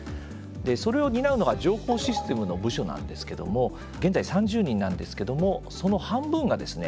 それを担うのが情報システムの部署なんですけども現在３０人なんですけどもその半分がですね